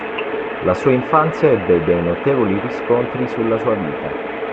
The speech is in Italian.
La sua infanzia ebbe dei notevoli riscontri sulla sua vita.